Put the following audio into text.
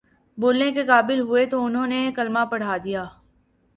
بولنے کے قابل ہوئے تو انہوں نے کلمہ پڑھادیا